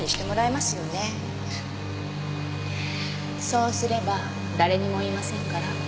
そうすれば誰にも言いませんから。